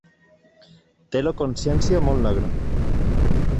Té la consciència molt negra.